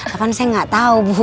apalagi saya gak tau bu